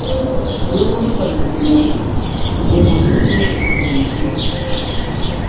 Todo el mundo parecía tener un buen momento en el circo".